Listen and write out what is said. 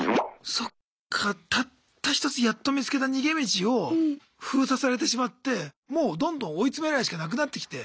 そっかたった一つやっと見つけた逃げ道を封鎖されてしまってもうどんどん追い詰められるしかなくなってきて。